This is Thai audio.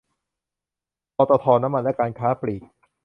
ปตท น้ำมันและการค้าปลีก